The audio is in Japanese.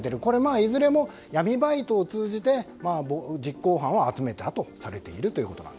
いずれも闇バイトを通じて実行犯を集めたとされていると。